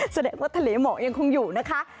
แสดงว่าทะเลหมอกยังคงอยู่นะคะ